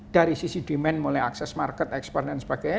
dari sisi demand mulai akses market ekspor dan sebagainya